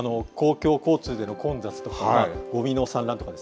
公共交通での混雑とか、ごみの散乱ですとか。